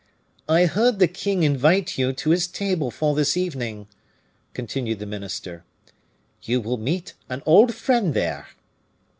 "I heard the king invite you to his table for this evening," continued the minister; "you will meet an old friend there."